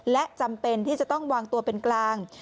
และจำเป็นที่จะต้องวางตัวเป็นกลาง